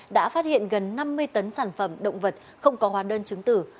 đã phát hiện gần năm mươi tấn sản phẩm động vật không có hóa đơn chứng tử